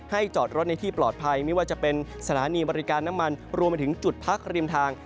จอดรถในที่ปลอดภัยไม่ว่าจะเป็นสถานีบริการน้ำมันรวมไปถึงจุดพักริมทาง